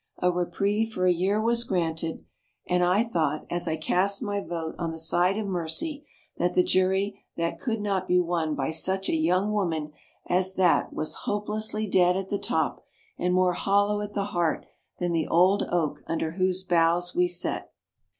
A reprieve for a year was granted; and I thought, as I cast my vote on the side of mercy, that the jury that could not be won by such a young woman as that was hopelessly dead at the top and more hollow at the heart than the old oak under whose boughs we sat.